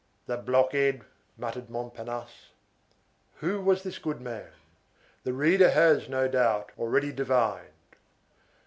"The blockhead!" muttered Montparnasse. Who was this goodman? The reader has, no doubt, already divined.